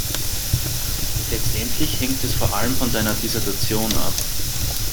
Letztendlich hängt es vor allem von deiner Dissertation ab.